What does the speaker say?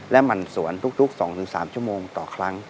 มันสวนทุก๒๓ชั่วโมงต่อครั้ง